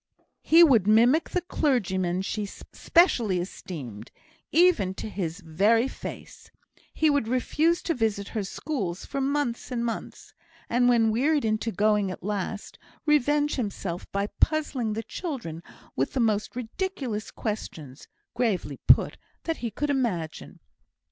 He would mimic the clergyman she specially esteemed, even to his very face; he would refuse to visit her schools for months and months; and, when wearied into going at last, revenge himself by puzzling the children with the most ridiculous questions (gravely put) that he could imagine.